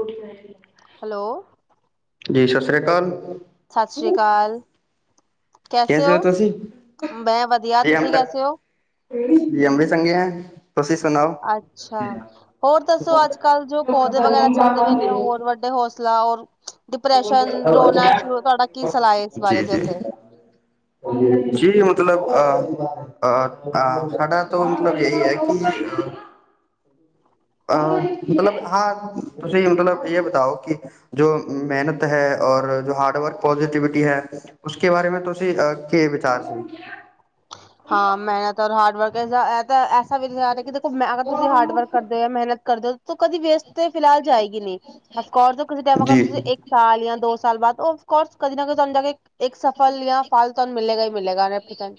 ਰੋਟੀ [inaudible] ਹੈਲੋ, ਜੀ ਸਸ ਰੀਆ ਕਾਲ। ਸਤਿ ਸ੍ਰੀ ਅਕਾਲ। ਕੈਸੇ ਹੋ ਮੈਂ ਵਧੀਆ ਜੀ ਹਮ ਤੁਸੀਂ ਤਾਂ ਕੈਸੇ ਹੋ ਜੀ ਹਮ ਵੀ ਚੰਗੇ ਹੈ ਤੁਸੀਂ ਸੁਣਾਓ ਅੱਛਾ ਹੋਰ ਦੱਸੋ ਅੱਜ -ਕਲ ਜੋ ਪੌਦੇ ਵਗੈਰਾ ਚਲਦੇ ਪਏ ਨੇ ਹੋਰ ਵੱਡੇ ਹੌਸਲਾ ਔਰ ਡਿਪਰੈੱਸ਼ਨ ਰੋਣਾ ਸ਼ੋ ਤੁਹਾਡਾ ਕੀ ਸਲਾਹ ਹੈ ਇਸ ਜੀ ਬਾਰੇ ਚ ਜੀ ਅ ਜੀ ਮਤਲਬ ਅਹ -ਅਹ -ਅਹ ਸਾਡਾ ਤੋਂ ਮਤੱਲਬ ਇਹੀ ਹੈ ਕਿ ਅਹ ਮਤਲਬ ਹਾਂ ਤੁਸੀਂ ਮਤੱਲਬ ਇਹ ਬਤਾਓ ਕਿ ਜੋ ਮਿਹਨਤ ਹੈ ਔਰ ਜੋ ਹਾਰਡਵਰਕ ਪੋਜ਼ਟੀਵਿਟੀ ਹੈ, ਉਸਕੇ ਬਾਰੇ ਮੈਂ ਤੁਸੀਂ ਕਿ ਵਿਚਾਰ ਸੀ। ਹਾਂ ਮਿਹਨਤ ਔਰ ਹਾਰਡਵਰਕ ਇਹ ਤਾਂ ਇਹ ਯ ਕਿ ਦੇਖੋ ਅਗਰ ਤੁਸੀਂ ਹਾਰਡ ਵਰਕ ਕਰਦੇ ਹੋ ਮਿਹਨਤ ਕਰਦੇ ਹੋ ਕਦੀ ਵੇਸਟ ਤੇ ਫਿਲਹਾਲ ਜਾਏਗੀ ਨਹੀਂ ਅਫਕੋਸ ਕਿਸੇ ਮਗਰ ਜੀ ਤੁਸੀਂ ਜੀ ਇੱਕ ਸਾਲ ਜਾਂ ਦੋ ਸਾਲ ਬਾਅਦ ਉਹ ਕੋਰਸ ਕਦੇ ਨਾ ਕਦੇ ਜਾਦਾਂ ਕੇ ਇੱਕ ਸਫਲ ਜਾਂ ਫਲ ਤੁਹਾਨੂੰ ਮਿਲੇਗਾ ਹੀ ਮਿਲੇਗਾ ਅਰੇ ਪ੍ਰੀਤਮ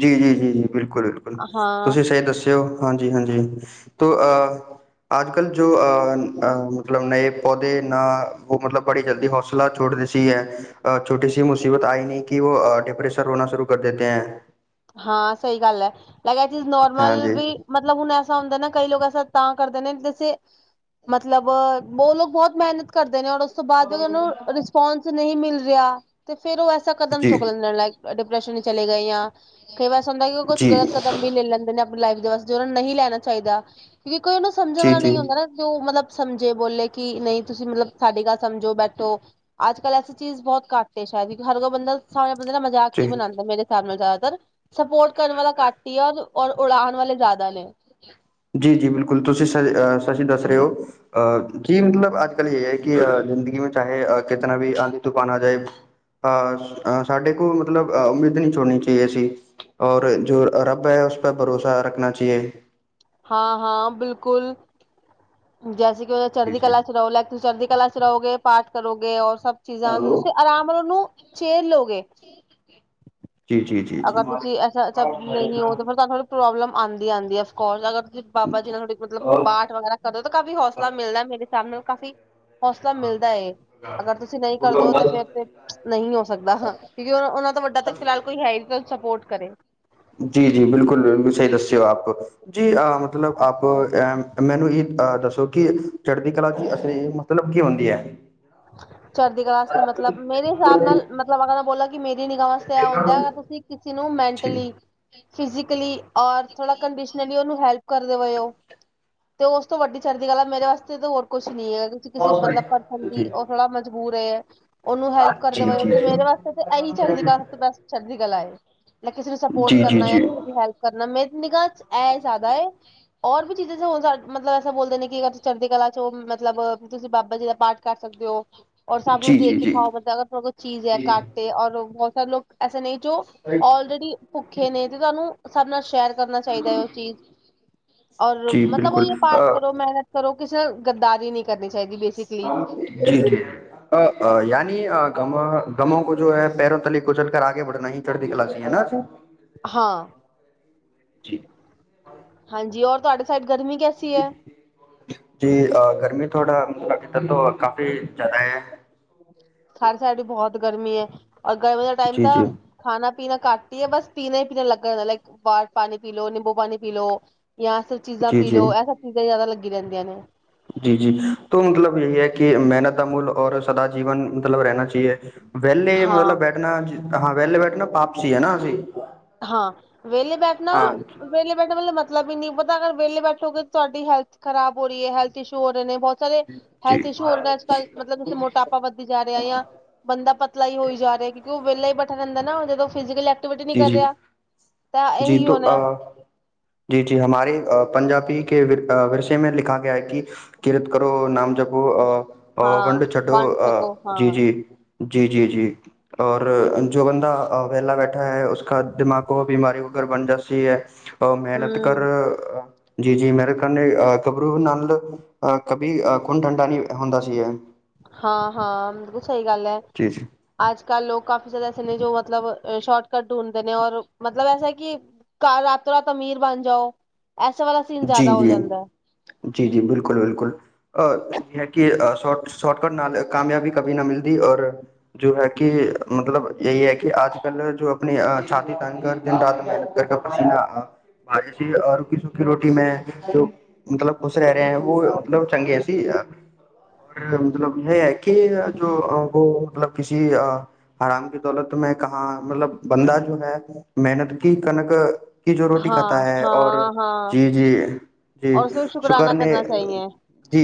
ਜੀ- ਜੀ- ਜੀ- ਜੀ ਬਿਲਕੁਲ -ਬਿਲਕੁਲ ਤੁਸੀਂ ਸਹੀ ਦੱਸਿਓ। ਹਾਂਜੀ -ਹਾਂਜੀ ਤ ਅਹ ਅੱਜ- ਕੱਲ੍ਹ ਜੋ ਅ ਮਤਲਬ ਨਏ ਪੌਦੇ ਨਾ ਉਹ ਮਤਲਬ ਬੜੀ ਜਲਦੀ ਹੌਸਲਾ ਛੋਟੀ ਸੀ ਹੈ ਛੋਟੀ ਸੀ ਮੁਸੀਬਤ ਆਈ ਨਹੀਂ ਕਿ ਉਹ ਡਿਪ੍ਰੇਸਰ ਹੋਣਾ ਸ਼ੁਰੂ ਕਰ ਦੇਤੇ ਹੈ। ਹਾਂ ਸਹੀ ਗੱਲ ਐ। ਲਗਿਆ ਇਹ ਚੀਜ਼ ਨੋਰਮਲ ਵੀ ਮਤਲਬ ਹੁਣ ਏਸ ਹੁੰਦਾ ਨਾ ਕਈ ਲੋਕ ਐਸਾ ਤਾਂ ਕਰਦੇ ਨੇ ਜੈਸੇ ਮਤਲਬ ਉਹ ਲੋਕ ਬਹੁਤ ਮਿਹਨਤ ਕਰਦੇ ਨੇ ਔਰ ਉਸ ਤੋਂ ਬਾਅਦ ਉਹਨ ਨੂੰ ਰਿਸਪੋਂਸ ਨਹੀਂ ਮਿਲ ਰਿਹਾ ਤੇ ਫਿਰ ਉਹ ਐਸਾ ਕਦਮ ਚੁੱਕ ਲੈਂਦੇ ਨੇ ਲੋਕ ਡਿਪਰੈਸ਼ਨ ਵਿੱਚ ਚਲੇ ਗਏ ਯਾਂ ਕਈ ਵੇਸੇ ਹੁੰਦਾ ਕਿ ਉਹ ਕੁਛ ਗਲਤ ਕਦਮ ਵੀ ਲੈ ਲੈਂਦੇ ਨੇ ਆਪਣੀ ਲਾਈਫ ਬਸ ਦੋ ਉਹਨਾਂ ਨੂੰ ਨਹੀਂ ਲੈਣਾ ਚਾਹੀਦਾ ਵੀ ਕੋਈ ਉਹਨੂੰ ਸਮਝਣ ਵਾਲਾ ਨਹੀਂ ਹੁੰਦਾ ਨਾ ਉਹ ਮਤਲਬ ਸਮਝੇ ਬੋਲੇ ਕਿ ਨਹੀਂ ਤੁਸੀਂ ਮਤਲਬ ਸਾਡੀ ਗੱਲ ਸਮਝੋ ਬੈਠੋ ਅੱਜ, ਕੱਲ ਐਸੀ ਚੀਜ਼ ਬਹੁਤ ਘੱਟ ਹੈ ਸ਼ਾਇਦ ਕਿਉਂਕਿ ਹਰ ਕੋਈ ਬੰਦਾ ਸ ਮਤਲਬ ਮਜ਼ਾਕ ਹੀ ਬਣਾਉਂਦਾ ਮੇਰੇ ਸਾਬ ਨਾਲ ਜਾਦਾ [unintelligible] ਸਪੋਰਟ ਕਰਨ ਵਾਲਾ ਘਾਟ ਹੀ ਆ ਔਰ ਉੜਾਣ ਵਾਲੇ ਜ਼ਿਆਦਾ ਨੇ। ਜੀ-ਜੀ। ਬਿਲਕੁਲ ਤੁਸੀਂ ਸ ਸੱਚੀ ਦੱਸ ਰਹੇ ਹੋ ਅਹ ਜੀ ਮਤਲਬ ਅੱਜ, ਕੱਲ ਇਹ ਹੈ ਕਿ ਜ਼ਿੰਦਗੀ ਮ ਚਾਹੇ ਕਿਤਨਾ ਵੀ ਆਂਦੀ ਤੂਫਾਨ ਆ ਜਾਏ ਅਹ ਸਾਡੇ ਕੋਲ ਮਤਲਬ ਉਮੀਦ ਨਹੀਂ ਛੋੜਣੀ ਚਾਹੀਏ ਸੀ ਔਰ ਜੋ ਰੱਬ ਹੈ ਉਸ ਪਰ ਭਰੋਸਾ ਰੱਖਣਾ ਚਾਹੀਏ। ਹਾਂ-ਹਾਂ। ਬਿਲਕੁਲ। ਜੈਸੀੇ। ਚੜਦੀ ਕਲਾ ਚ ਰੋ ਲੈਗ ਤੂੰ ਚੜਦੀ। ਕਲਾ ਚ ਰਹੋ ਗੇ। ਪਾਠ ਕਰੋਗੇ, ਔਰ ਸਭ ਚੀਜ਼ਾਂ ਤੇ ਤੁਸੀਂ ਆਰਾਮ ਨਾਲ ਉਹਨੂੰ ਚੇਲ ਲਓਗੇ ਅਗਰ ਤੁਸੀਂ ਐਸਾ ਸ ਨਹੀਂ ਹੋ ਤਾਂ ਫਿਰ ਤੁਹਾਨੂੰ ਪ੍ਰੋਬਲਮ ਹਾਂਜੀ। ਆਂਦੀ ਆ ਅਫਕੋਰਸ ਅਗਰ ਤੁਸੀਂ ਬਾਬਾ ਜੀ ਨਾਲ ਤੁਹਾ ਮਤਲਬ ਪਾਠ ਵਗੈਰਾ ਕਦੋਂ ਤੋਂ ਕਾਫ਼ ਹੌਸਲਾ ਮਿਲਦਾ ਮੇਰੇ ਸਾਮ ਨੂੰ ਕਾਫੀ। ਹੌਸਲਾ ਮਿਲਦਾ ਹੈ ਅਗਰ ਤੁਸੀਂ ਨਹੀਂ ਕਰਦੇ ਹੋ ਤਾਂ ਫੇਰ ਤੇ ਨਹੀਂ ਹੋ ਸਕਦਾ ਹਾਂ ਕਿਉਂਕਿ ਉਹਨਾਂ ਤੋਂ ਵੱਡਾ ਤਾਂ ਫਿਲਹਾਲ ਕੋਈ ਹੈਰੀ ਸਪੋਰਟ ਕਰੇ ਜੀ-ਜੀ। ਬਿਲਕੁਲ-ਬਿਲਕੁਲ। ਸਹੀ ਦੱਸਿਓ ਆਪ ਜੀ ਅਹ ਮਤਲਬ ਆਪ ਮੈਨੂੰ ਇਹ ਅਹ ਦੱਸੋ ਕਿ ਚੜ੍ਹਦੀ ਕਲਾ ਚ ਅਸ ਮਤਲਬ ਕੀ ਹੁੰਦੀ ਹੈ। ਚਰਦੀ ਕਲਾਸ ਨੇ ਮਤਲਬ ਮੇਰੇ ਹਿਸਾਬ ਨਾਲ ਮਤਲਬ ਅਗਰ ਬੋਲ ਕਿ ਮੇਰੀ ਨਿਗਾਹਵਾਂ ਚ ਤਾ ਐ ਹੁੰਦਾ ਤੁਸੀਂ ਕਿਸੇ ਨੂੰ ਜੀ ਮੈਂਟਲੀ, ਫਿਜ਼ਕਲੀ ਔਰ ਥੋੜਾ ਕੰਡੀਸ਼ਨਲੀ ਉਹਨੂੰ ਹੈਲਪ ਕਰਦੇ ਹੋਏ ਉਹ ਤੇ ਉਸ ਤੋਂ ਵੱਡੀ ਚੜ੍ਹਦੀ ਗੱਲ ਆ ਮੇਰੇ ਵਾਸਤੇ ਤਾਂ ਹੋਰ ਕੁਛ ਨੀ ਹੈਗਾ ਤੁਸੀਂ ਕਿਸੇ ਮਤਲਬ ਪਰਸਨ ਦੀ ਜੀ ਮਜਬੂਰ ਏ ਉਹਨੂੰ ਹੈਲਪ ਕਰਦੇ ਹੋਏ ਤੇ ਮੇਰੇ ਵਾਸਤੇ ਤੇ ਇਹੀ ਚੜਦੀ ਕਲਾ ਸਭ ਤੋਂ ਬੈਸਟ ਚੜ੍ਹਦੀ ਕਲਾ ਏ ਲ ਕਿਸੇ ਨੂੰ ਸਪੋਰਟ ਕਰਨਾ ਜਾਂ ਕਿਸੇ ਦੀ ਹੈਲਪ ਕਰਨਾ ਮੇ ਨਿਗਾਤ ਇਹ ਜ਼ਿਆਦਾ ਹੋਰ ਵੀ ਚੀਜ਼ਾਂ ਹ ਮਤਲਬ ਐਸ ਬੋਲਦੇ ਨੇ ਕਿ ਅਰ ਤੁਸੀ ਚੜਦੀ ਕਲਾ ਚ ਮਤਲਬ ਤੁਸੀਂ ਬਾਬਾ ਜੀ ਦਾ ਪਾਠ ਕਰ ਸਕਦੇ ਹੋ। ਔਰ ਸਭ ਨੂੰ ਦੇਖ ਕੇ ਖਾਓ ਮਤਲਬ ਅਗਰਡੇ ਕੋਲ ਚੀਜ਼ ਹੈ ਕੱਟ ਤੇ ਔਰ ਬਹੁਤ ਲੋਕ। ਐਸੇ ਨਹੀਂ। ਜੋ ਆਲਰੇਡੀ ਭੁੱਖੇ ਨੇ ਤੇ ਤੁਹਾਨੂੰ ਸਾਭੇ ਨਾਲ ਸ਼ਹਿਰ ਕਰਨਾ ਚਾਹੀਦਾ ਹੈ ਉਹ ਚੀਜ਼ ਔਰ ਮਤਲਬ ਉਹੀ ਪਾਠ ਕਰੋ, ਮਿਹਨਤ ਕਰੋ ਕਿਸੇ ਗੱਦਾਰੀ ਨੀ ਕਰਨੀ ਚਾਹੀਦੀ ਬੇਸਿਕਲੀ। ਜੀ-ਜੀ ਅ ਅ ਯਾਨੀ ਗਮੋ ਕੋ ਜੋ ਹੈ ਪੈਰੋਂ ਤਲੇ ਕੁਚਲ ਕਰ ਆਗੇ ਬੜਨਾ ਹੀ ਚੜ੍ਹਦੀ ਕਲਾ ਚ ਹੈ ਨਾ ਜੀ। ਹਾਂ। ਜੀ। ਹਾਂਜੀ ਔਰ ਤੁਹਾਡੇ ਸਾਇਡ ਜੀ ਅ ਗਰਮੀ ਥੋੜਾ ਇਧਰ ਤੋਂ ਕਾਫ਼ੀ ਜਾਦਾ ਹੈ। ਸਾਡੇ ਸਾਈਡ ਵੀ ਬਹੁਤ ਗਰਮੀ ਹੈ। ਅ ਗਰਮੀ ਦਾ ਟਾਈਮ ਤਾਂ ਖਾਣਾ ਪੀਣਾ ਘੱਟ ਹੀ ਹੈ ਬਸ ਪੀਣਾ ਹੀ ਪੀਣਾ ਲੱਗਾ ਏ ਲਾਈਕ ਬਾਰ ਪਾਣੀ ਪੀ ਲਓ ਨਿੰਬੂ ਪਾਣੀ ਪੀ ਲੋ। ਜਾਂ ਸਭ ਚੀਜ਼ਾਂ ਪੀ ਲੋ ਇਹ ਸਭ ਚੀਜ਼ਾਂ ਜ਼ਿਆਦਾ ਲੱਗ ਗੀ ਰੰਦੀਆ ਨੇ। ਜੀ-ਜੀ, ਤੋ ਮਤਲਬ ਇਹ ਹੈ ਕਿ ਮਿਹਨਤ ਦਾ ਅ ਮੁੂਲ ਔਰ ਸਦਾ ਜੀਵਨ ਮਤਲਬ ਰਹਿਣਾ ਚਾਹੀਦਾ ਹੈ ਵਿਹਲੇ ਹਾਂ। ਮਤਲਬ ਬੈਠਣਾ ਹਾਂ ਵਿਹਲੇ ਬੈਠਣਾ ਪਾਪ ਸੀ, ਹੈ ਨਾ ਜੀ। ਹਾਂ ਵੇਲੇ ਬੈਠਣਾ, ਵੇਲੇ ਬੈਠਣਾ ਮਤ ਮਤਲਬ ਵੀ ਨਹੀਂ ਪਤਾ ਅਗਰ ਵਿਹਲੇ ਬੈਠੋਗੇ ਤੁਹਾਡੀ ਹੈਲਥ ਖਰਾਬ ਹੋ ਰਹੀ ਹੈਲਥ ਇਸ਼ੂ ਹੋ ਰਹੇ ਨੇ ਬਹੁਤ। ਸਾਰੇ ਹੈਲਥ ਇਸ਼ੂ ਹੋਰ ਅੱਜ-ਕੱਲ, ਮਤਲਬ ਮੋਟਾਪਾ ਵੱਧੀ ਜਾ ਰਿਹਾ ਜਾਂ ਬੰਦਾ ਪਤਲਾ ਹੀ ਹੋਈ ਜਾ ਰਿਹਾ ਕਿਉਂਕਿ ਉਹ ਵਿਹਲਾ ਹੀ ਬੈਠਾ ਰਹਿੰਦਾ ਨਾ ਜਦੋਂ ਫਿਜਿਕਲ ਐਕਟਿਵੀਟੀ ਜੀ-ਜੀ, ਜੀ ਤੋਂ ਹੋਣਾ ਅ ਜੀ-ਜੀ ਹਮਾਰੇ ਪੰਜਾਬੀ ਠੀਕ ਏ ਵਿਰ-ਵਿਰਸੇ ਮੇ ਲਿੱਖਾ ਗਿਆ ਹੈ ਕਿ ਕੀਰਤ ਕਰੋ ਨਾਮ ਜਪੋ ਅ-ਅ ਹਾਂ ਵੰਡ ਛੱਡੋ ਸਕੋ ਅਹ ਹਾਂ ਜੀ-ਜੀ। ਜੀ-ਜੀ-ਜੀ ਔਰ ਜੋ ਬੰਦਾ ਵੇਹਲਾ ਬੈਠ ਹੈ ਉਸਦਾ ਦਿਮਾਗ ਕੋ ਬਿਮਾਰਿਯੋ ਅਗਰ ਬੰਦਾ ਸਈ ਹੈ ਅ ਮਿਹਨਤ ਕਰ ਹਮ ਜੀ-ਜੀ ਮੇਰੇ ਕੇ ਗਬਰੂ ਨਾਲ ਅ ਕਭੀ ਖੂਨ ਠੰਡਾ ਨੀ ਹੁੰਦਾ ਸੀ ਇਹ ਹਾਂ-ਹਾਂ [unintelligible] ਸਈ ਗੱਲ ਐ ਜੀ ਅੱਜ ਕ ਲੋਕ ਕਾਫੀ ਜਾਦਾ ਐਸੇ ਨੇ ਜੋ ਮਤਲਬ ਸ਼ੋਰਟਕਟ ਢੂੰਡਦੇ ਨੇ ਔਰ ਮਤਲਬ ਐਸਾ ਕਿ ਕਦ ਰਾਤੋ ਰਾਤ ਅਮੀਰ ਬਣ ਜਾਓ ਐਸੇ ਵਾਲਾ ਸੀਨ ਜ਼ਿਆਦਾ ਹੋ ਜਾਂਦਾ ਹੈ ਜੀ-ਜੀ-ਜੀ-ਜੀ ਬਿਲਕੁੱਲ-ਬਿਲਕੁੱਲ ਅ ਹੈ ਕੇ ਸ਼ੋ ਸ਼ੋਟਕਟ ਨਾਲ ਕਾਮਯਾਬੀ ਕਭੀ ਨਾ ਮਿਲਦੀ ਔਰ ਜੋ ਹੈ ਕਿ ਮਤਲਬ ਏ ਐ ਕਿ ਆਜ ਕੱਲ ਜੋ ਆਪਣੀ ਛਾਤੀ ਤਾਨ ਕਰ ਦਿਨ ਰਾਤ ਮਿਹਨਤ ਕਰਕੇ ਪਸੀਨਾ ਰੁੱਖੀ ਸੁੱਖੀ ਰੋਟੀ ਮੈਂ ਜੋ ਮਤਲਬ ਖੁਸ਼ ਰਿਆ ਓ ਮਤਲਬ ਚੰਗੇ ਅਸੀ ਔਰ ਮਤਲਬ ਹੈ ਕਿ ਜੋ ਮਤਲਬ ਕਿਸੀ ਅ ਆਰਾਮ ਕੇ ਦੌਲਤ ਮੈਂ ਕਹਾਂ ਮਤਲਬ ਬੰਦਾ ਜੋ ਹੈ ਮੇਹਨਤ ਕੀ ਕਣਕ ਕੀ ਜੋ ਰੋਟੀ ਖਾਤਾ ਹੈ ਔਰ ਜੀ-ਜੀ ਔਰ ਫਿਰ ਸ਼ੁਕਰਾਨਾ ਕਰਨਾ ਚਾਹੀਏ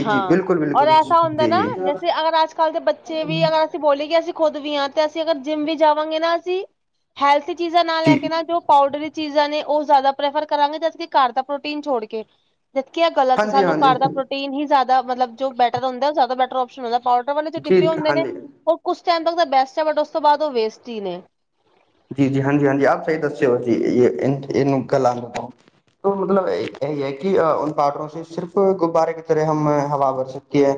ਹਾਂ ਔਰ ਐਸਾ ਹੁੰਦਾ ਨਾ ਜੈਸੇ ਅਗਰ ਅੱਜ ਕੱਲ੍ਹ ਦੇ ਬੱਚੇ ਵੀ ਅਗਰ ਅਸੀਂ ਬੋਲੇ ਕਿ ਅਸੀਂ ਖੁਦ ਵੀ ਆ ਤੇ ਅਸੀਂ ਅਗਰ ਜਿੰਮ ਵੀ ਜਾਵਾਂਗੇ ਨਾ ਅਸੀ ਹੈਲਥ ਚੀਜ਼ਾਂ ਨਾਲ ਲੈ ਕੇ ਨਾ ਜੋ ਪਾਊਡਰ ਚੀਜ਼ਾਂ ਨੇ ਓਹ ਜ਼ਿਆਦਾ ਪ੍ਰੈਫਰ ਕਰਾਂਗੇ ਜਦ ਕੀ ਘਰ ਦਾ ਪ੍ਰੋਟੀਨ ਛੋੜ ਕੇ ਜਦਕਿ ਐ ਗਲਤ ਸਾਨੂੰ ਘਰ ਦਾ ਪ੍ਰੋਟੀਨ ਹੀ ਜ਼ਿਆਦਾ ਮਤਲਬ ਜੋ ਬੈਟਰ ਹੁੰਦਾ ਆ ਓ ਜ਼ਿਆਦਾ ਬੈਟਰ [unintelligible] ਪਾਊਡਰ ਵਾਲੇ ਜੋ ਡਿੱਬੇ ਹੁੰਦੇ ਨੇ ਓ ਕੁਸ ਤ ਬੈਸਟ ਐ ਬਟ ਉਸ ਤੋਂ ਬਾਦ ਓ ਵੇਸਟ ਈ ਨੇ ਜੀ-ਜੀ ਹਾਂਜੀ-ਹਾਂਜੀ ਆਪ ਸਹੀ ਦਸਿਓ ਜੀ ਇਨ ਇਨੂੰ ਕਲਾਂ ਮਤਲਬ ਇਹੀ ਐ ਕਿ ਪਾਡਰੋ ਸਿਰਫ਼ ਗੁਬਾਰੇ ਤਰ ਹਮ ਹਵਾ ਬਰ ਐ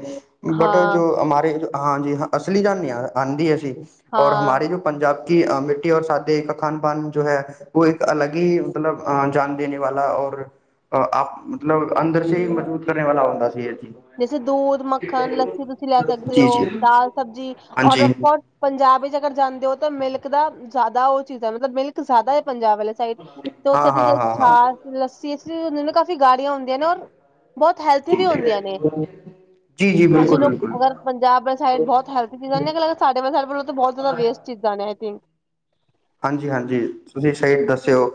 ਬਟ ਹਾਂ ਜੋ ਹਮਾਰੇ ਹਾਂਜੀ ਹਾਂ ਅਸਲੀ ਜਾਂਨੇ ਆ ਆਂਦੀ ਅਸੀਂ ਔਰ ਹਾਂ ਹਮਾਰੇ ਜੋ ਪੰਜਾਬ ਕੀ ਅਮੀ ਰ ਓਰ ਸਾਦੇੇ ਕ ਖਾਨ ਪਾਨ ਜੋ ਹੈ ਵੋ ਏਕ ਅਲੱਗ ਈ ਮਤਲਬ ਜਾਨ ਦੇਣੇ ਵਾਲਾ ਔਰ ਆਪ ਮਤਲਬ ਅੰਦਰ ਸੇ ਈ ਮਜ਼ਬੂਤ ਕਰਨ ਵਾਲਾ ਹੁੰਦਾ। [unintelligible] ਜੈਸੇ ਦੂਧ, ਮੱਖਣ, ਲੱਸੀ ਤੁਸੀਂ ਲੈ ਸਕਦੇ ਓ ਦਾਲ ਸਬਜ਼ੀ ਔਰ ਪੰਜਾਬ ਵਿੱਚ ਅਗਰ ਜਾਂਦੇ ਓ ਤੇ ਮਿਲਕ ਦਾ ਜਾਦਾ ਓ ਚੀਜ਼ ਐ ਮਤਲਬ ਮਿਲਕ ਜਾਦਾ ਏ ਪੰਜਾਬ ਵਾਲੇ ਸਾਈਡ ਤੇ ਉੱਥੇ ਦੀ ਜੇ ਛਾਸ, ਲੱਸੀ [unintelligible] ਕਾਫੀ ਗਾੜੀਆਂ ਹੁੰਦੀਆਂ ਨੇ ਓਰ ਬੋਤ ਹੈਲਥੀ ਵੀ ਹੁੰਦੀਆਂ ਨੇ ਜੀ ਜੀ ਅਸੀਂ ਬਿਲਕੁਲ ਲੋਕ ਬਿਲਕੁਲ ਅਗਰ ਪੰਜਾਬ ਵਾਲ ਸਾਈਡ ਬੋਤ ਹੈਲਥ ਚੀਜ਼ਾਂ ਨੇ ਸਾਡੇ ਬੋਤ ਜਾਦਾ ਵੇਸਟ ਚੀਜ਼ਾਂ ਨੇ ਆਈ ਥਿੰਕ ਹਾਂਜੀ-ਹਾਂਜੀ ਤੁਸੀਂ ਸਹੀ ਦੱਸਿਓ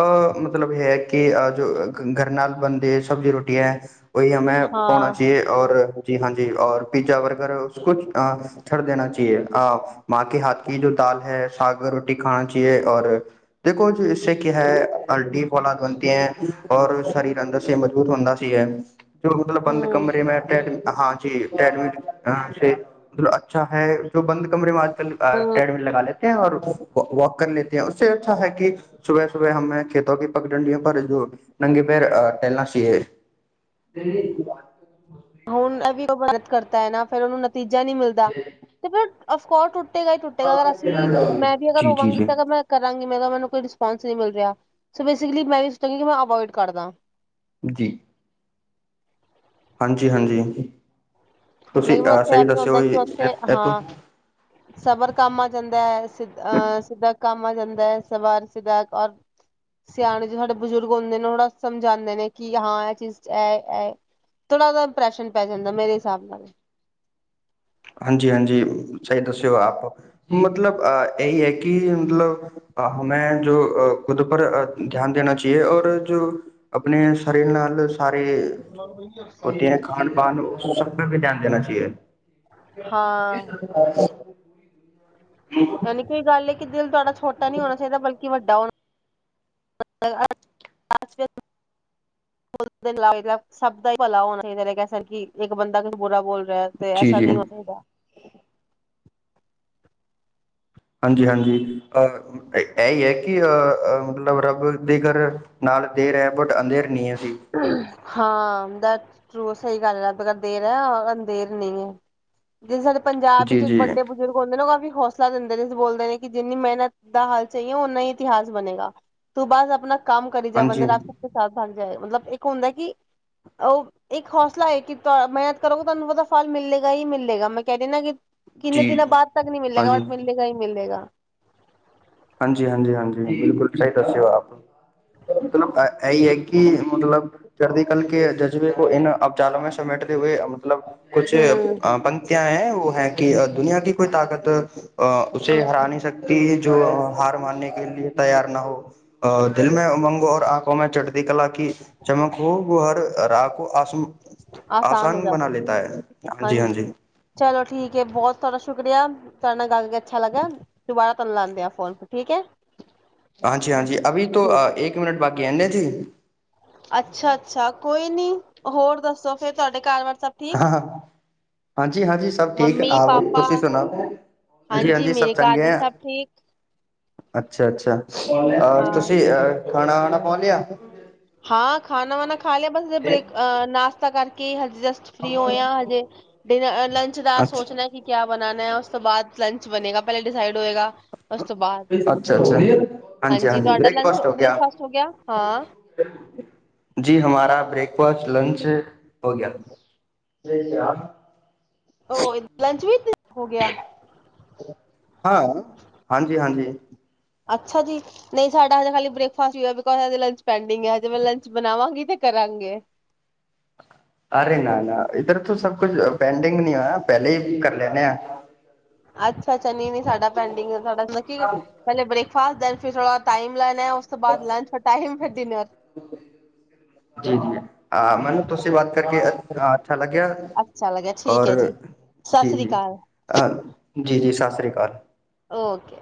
ਅਹ ਮਤਲਬ ਹੈ ਕੇ ਅ ਜੋ ਗਰ ਨਾਲ ਬਣਦੇ ਸਬਜ਼ੀ ਰੋਟੀਆਂ ਓਹੀ ਹਮੇ ਪੋਣਾ ਹਾਂ ਚਾਹੀਏ ਔਰ ਜੀ ਹਾਂਜੀ ਓਰ ਪਿਜ਼ਾ ਬਰਗਰ ਉਸ ਅ ਛੜ ਦੇਣਾ ਚਾਹੀਏ ਅ ਮਾਂ ਕੇ ਹਾਥ ਕੀ ਜੋ ਦਾਲ ਹੈ ਸਾਗਰ ਟੀ ਖਾਣਾ ਚਾਹੀਏ ਔਰ ਦੇਖੋ ਇਸੇ ਕੇ ਹੈ ਅਲਟੀ ਫੌਲਾਦ ਬਣਤੇ ਹੈ ਔਰ ਸਰੀਰ ਅੰਦਰ ਸੇ ਮਜ਼ਬੂਤ ਹੁੰਦਾ ਸੀ ਐ ਜੋ ਮਤਲਬ ਬੰਦ ਹੂੰ ਕਮਰੇ ਮੇ [unintelligible] ਹਾਂਜੀ। [unintelligible] [unintelligible] ਤੇ ਹੋਰ ਵਾਕ ਕਰਨੇ ਸੇ ਉਸੇ ਅੱਛਾ ਹੈ ਕਿ ਸੁਬਹ ਸੁਬਹ ਖੇਤੋਂ ਕੀ ਪਗ ਡੰਡੀ ਪਰ ਨੰਗੇ ਪੈਰ ਟਹਿਲ ਨਾ ਚਾਹੀਏ। ਹੁਣ ਇਹ ਉਹਤ ਕਰਤਾ ਹੈ ਨਾ ਫ਼ਿਰ ਉਹਨੂੰ ਤੀਜਾ ਨੀ ਮਿਲਦਾ ਤੇ ਫਿਰ ਅਫਕੋਰਸ ਟੁੱਟੇਗਾ ਹੀ ਟੁੱਟੇਗਾ। ਅਗਰ ਅਸੀਂ ਮੈਂ ਵੀ ਅਗਰ ਹੋਵਾਂਗੀ ਤਾਂ ਮੈਂ ਕਰਾਂਗੀ। [inaudible] ਰੇਸਪੋਂਸ ਨਈ ਮਿਲ ਰਿਹਾ। ਸੌ ਬੇ ਸੀਕਲੀ ਮੈ ਇਸ ਗੱਲ ਨੂੰ ਅਵੋਈਡ ਕਰਦਾ। ਜੀ। ਹਾਂਜੀ, ਹਾਂਜੀ। ਲੇਕਿਨ ਉੱਥੇ ਇਹ ਵੀ ਹੁੰਦਾ ਕਿ ਉੱਥੇ ਇਹ ਤੋਂ ਹਾਂ ਸਬਰ ਕੰਮ ਆ ਜਾਂਦਾ ਹੈ ਸਿੱਧ ਅਹ ਸਿੱਧਾ ਕੰਮ ਆ ਜਾਂਦਾ ਹੈ। ਸਵਾਰ ਸਿੱਧਾ ਔਰ ਸਿਆਣੇ ਜੋ ਸਾਡੇ ਬਜ਼ੁਰਗ ਹੁੰਦੇ ਨੇ ਥੜਾ ਸਮਝਾਉਂਦੇ ਨੇ ਕਿ ਹਾਂ ਇਹ ਚੀਜ਼ ਚ ਹੈ। ਥੋੜ੍ਹਾ ਉਹਦਾ ਇੰਪਰੈਸ਼ਨ ਪੈ ਜਾਂਦਾ ਮੇਰੇ ਹਿਸਾਬ ਨਾਲ। ਹਾਂਜੀ, ਹਾਂਜੀ। ਸਹੀ ਦੱਸਿਓ ਆਪ ਮਤਲਬ ਅ ਇਹੀ ਹੈ ਕਿ ਮਤਲਬ ਅ ਮੈਂ ਜੋ ਅ ਖੁਦ ਪਰ ਅ ਧਿਆਨ ਦੇਣਾ ਚਾਹੀਏ ਔਰ ਜੋ ਆਪਣੇ ਸਰੀਰ ਨਾਲ ਸਾਰੇ ਹੋਤੀ ਹੈ ਖਾਨ ਪਾਨ ਉਸ ਸਭ ਪੇ ਵੀ ਧਿਆਨ ਦੇਣਾ ਚਾਹੀਏ। ਹਾਂ [inaudible] ਨਹੀਂ ਕੋਈ ਗੱਲ ਹੈ ਕਿੱਦਨ ਤੁਹਾਡਾ। ਛੋਟਾ ਨਹੀਂ ਹੋਣਾ ਚਾਹੀਦਾ ਬਲਕਿ ਵੱਡਾ ਹੋਣਾ [inaudible] ਸਭ ਦਾ ਭਲਾ ਹੋਣਾ ਚਾਹੀਦਾ ਕਹਿ ਸਕਦੀ। ਇੱਕ ਬੰਦਾ ਕੁਛ ਬੁਰਾ ਬੋਲ ਤੇ ਐਸਾ ਨਹੀਂ ਹੋ ਸਕਦਾ। ਹਾਂਜੀ, ਹਾਂਜੀ। ਅ ਇਹ ਹੀ ਐ। ਕਿ ਅਹ ਮਤਲਬ ਰੱਬ ਦੇ ਘਰ ਨਾਲ ਦੇਰ ਹੈ ਬਟ ਅੰਧੇਰ ਨੀ ਹੈ। ਜੀ [inaudible] ਹਾਂ, ਡਟ ਟਰੂ ਸਹੀ ਗੱਲ ਦੇਰ ਹੈ ਅੰਧਰ ਨਹੀਂ ਹੈ। ਜਿਹੜੇ ਸਾਡੇ ਪੰਜਾਬ ਜੀ ਵਿੱਚ ਇੱਕ ਜੀ ਵੱਡੇ ਬਜ਼ੁਰਗ ਹੁੰਦੇ ਉਹ ਕਾਫੀ ਹੌਸਲੇ [unintelligible] ਬੋਲਦੇ ਨੇ ਕਿ ਜਿੰਨੀ ਮਿਹਨਤ ਦਾ ਹੱਲ ਚਾਹੀਏ ਉਨਾ ਹੀ ਇਤਿਹਾਸ ਬਣੇਗਾ। ਤੂੰ ਬਸ ਆਪਣਾ ਕੰਮ ਕਰੀ ਜਾ ਬੰਦੇ ਹਾਂਜੀ ਰੱਖ ਕੇ ਸਾਥ [unintelligible] ਪਿਆ ਏ ਮਤਲਬ ਇੱਕ ਹੁੰਦਾ ਕਿ, ਉਹ ਇੱਕ ਹੌਸਲਾ ਹੈ ਕਿ ਮਿਹਨਤ ਕਰੋਗੇ ਤੁਹਾਨੂੰ ਉਹਦਾ ਫਲ ਮਿਲੇਗਾ ਹੀ ਮਿਲੇਗਾ ਮੈਂ ਕਹਿ ਰਹੀ ਨਾ ਕਿ ਕਿੰਨੇ ਜੀ ਦਿਨਾਂ ਬਾਅਦ ਤੱਕ ਨਹੀਂ ਮਿਲੇਗਾ ਹਾਂਜੀ ਬਟ ਮਿਲੇਗਾ ਹੀ ਮਿਲੇਗਾ। ਹਾਂਜੀ, ਹਾਂਜੀ, ਹਾਂਜੀ। ਬਿਲਕੁਲ ਸਹੀ ਦੱਸਿਓ ਆਪ। ਮਤਲਬ ਇਹੀ ਹੈ ਕਿ ਮਤਲਬ ਚੜਦੀ ਕਲ ਕੇ ਜਜ਼ਬੇ ਕੋ ਇਨ ਅਪਚਾਲੈਂ ਸਮੇਟਦੇ ਹੋਏ ਅ ਮਤਲਬ ਕੁਛ ਹੂੰ। ਪੰ ਕਿਆ ਹੈ ਵੋ ਹੈ ਕਿ ਦੁਨੀਆਂ ਕੀ ਕੋਈ ਤਾਕਤ ਉੇਸੇ ਹਰਾ ਨਹੀਂ ਸਕਤੀ ਜੋ ਹਾਰ ਮਾਨਨੇ ਕੇ ਲੀਏ ਤਿਆਰ ਨਾ ਹੋ। ਆ ਦਿਲ ਮੈਂ ਉਮੰਗ ਔਰ ਆਂਖੋਂ ਮੇਂ ਚੜ੍ਹਦੀ ਕਲਾ ਕੀ ਚਮਕ ਹੋ ਵੋ ਹਰ ਰਾਹ ਕੋ ਆਸਮ ਆਸਾਨ ਬਣਾ ਲਤਾ ਹੈ ਹਾਂਜੀ-ਹਾਂਜੀ। ਸ਼ੁਕਰੀਆ ਤੁਹਾਡੇ ਨਾਲ ਗੱਲ ਕਰ ਕੇ ਅੱਛਾ ਲੱਗਾ ਦੁਬਾਰਾ ਤੁਹਾਨੂੰ ਲਾਂਦੇ ਆ ਫੋਨ ਠੀਕ ਹੈ। ਹਾਂਜੀ-ਹਾਂਜੀ ਅਭੀ ਤੋਂ ਠੀਕ ਹੈ ਏਕ ਮਿੰਨਟ ਬਾਕੀ ਹੈ [unintelligible] ਅੱਛਾ-ਅੱਛਾ ਕੋਈ ਨੀ ਹੋਰ ਦੱਸੋ ਫੇਰ ਤੁਹਾਡੇ ਘਰ ਵਾਰ ਹਾਂ, ਹਾਂਜੀ-ਹਾਂਜੀ ਸਭ ਠੀਕ ਮੰਮੀ ਆ ਪਾਪਾ ਤੁਸੀਂ ਸੁਣਾਓ, ਹਾਂਜੀ ਹਾਂਜੀ-ਹਾਂਜੀ ਸਭ ਮੇਰੇ ਘਰ ਚੰਗੇ ਵੀ ਆ, ਸਭ ਠੀਕ ਅੱਛਾ-ਅੱਛਾ ਆ ਹਾਂ ਤੁਸੀਂ ਆ ਖਾਣਾ ਵਾਣਾ ਪਾ ਲਿਆ। ਹਾਂ ਖਾਣਾ ਵਾਣਾ ਖਾ ਲਿਆ ਬਸ ਬ੍ਰੇਕ ਨਾਸ ਤਾ ਕਰਕੇ ਜਸਟ ਫ੍ਰਰੀ ਹੋਏ ਆ ਹਜੇ, ਡਿਨ ਲੰਚ ਦਾ ਅੱਛਾ ਸੋਚਣਾ ਕਿ ਕਿਆ ਬਣਾਣਾ ਉਸ ਤੋਂ ਬਾਅਦ ਲੰਚ ਬਣੇਗਾ ਪਹਿਲਾਂ ਡਿਸਾਈਡ ਹੋਏਗਾ ਉਸ ਤੋਂ ਬਾਅਦ। ਅੱਛਾ ਅੱਛਾ ਹਾਂਜੀ ਤੁਹਾਡਾ ਲੰਚ ਬ੍ਰੇਕਫਾਸਟ ਹੋ ਗਿਆ ਬ੍ਰੇਕਫਾਸਟ ਹੋ ਗਿਆ ਹਾਂ। ਜੀ ਹਮਾਰਾ ਬ੍ਰੇਕਫਾਸਟ, ਲੰਚ ਹੋ ਗਿਆ। ਉਹ ਲੰਚ ਵਿੱਚ ਹੋ ਗਿਆ। ਹਾਂ ਹਾਂਜੀ-ਹਾਂਜੀ। ਅੱਛਾ ਜੀ ਨਹੀਂ ਸਾਡਾ ਹਜੇ ਹਲੇ ਬਰੇਕਫਾਸਟ ਹੀ ਹੋਇਆ ਬੀਕੌਜ ਹਜੇ ਲੰਚ ਪੈਂਡਿੰਗ ਏ ਹਜੇ ਮੈਂ ਲੰਚ ਬਣਾਵਾਂਗੀ ਤੇ ਕਰਾਂਗੇ। ਅਰੇ ਨਾ-ਨਾ ਇੱਧਰ ਤੋਂ ਸਭ ਕੁਝ ਪੈਂਡਿੰਗ ਨੀ ਆ ਪਹਿਲੇ ਹੀ ਕਰ ਲੈਣੇ ਆ। ਅੱਛਾ-ਅੱਛਾ ਨਹੀ-ਨਹੀ ਸਾਡਾ ਪੈਂਡਿੰਗ ਸਾਡਾ ਪਹਿਲੇ ਬ੍ਰੇਕ ਫਾਸਟ ਦੈਨ ਫਿਰ ਥੋੜਾ ਟਾਈਮ ਲੈ ਨੇ ਆ ਉਸ ਤੋਂ ਬਾਅਦ ਲੰਚ ਟਾਈਮ ਫਿਰ ਡਿਨਰ ਜੀ-ਜੀ ਆ ਮੈਨੂੰ ਤੁਸੀ ਬਾਤ ਕਰਕੇ ਹ ਅੱ ਲੱਗਿਆ ਅੱਛਾ ਲੱਗਿਆ ਠੀਕ ਔਰ ਹੈ ਜੀ ਸਤਿ ਜੀ ਸ੍ਰੀ ਜੀ ਅਕਾਲ ਜੀ ਜੀ ਸ ਸ਼੍ਰੀ ਘ ਓਕੇ